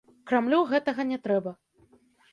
Крамлю гэтага не трэба.